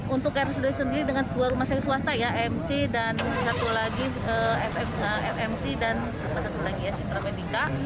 untuk rsud sendiri dengan dua rumah sakit swasta ya mc dan satu lagi mmc dan satu lagi ya sintra medica